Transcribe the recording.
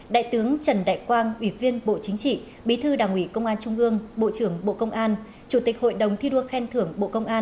đại tướng trần đại quang ủy viên bộ chính trị bí thư đảng ủy công an trung ương bộ trưởng bộ công an chủ tịch hội đồng thi đua khen thưởng bộ công an